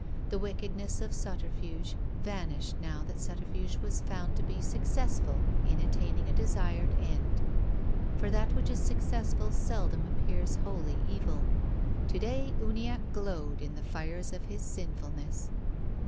The wickedness of sub terfuge vanished now that subterfuge was found to be successful in attaining a desired end. For that which is successful seldom appears wholly evil. To day Uniacke glowed in the fires of his sinfulness.